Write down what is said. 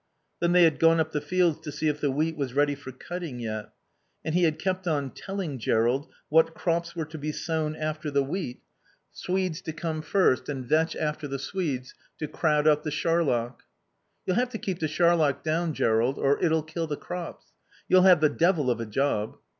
Then they had gone up the fields to see if the wheat was ready for cutting yet. And he had kept on telling Jerrold what crops were to be sown after the wheat, swedes to come first, and vetch after the swedes, to crowd out the charlock. "You'll have to keep the charlock down, Jerrold, or it'll kill the crops. You'll have the devil of a job."